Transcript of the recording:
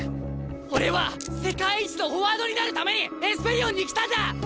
俺は世界一のフォワードになるためにエスペリオンに来たんだ！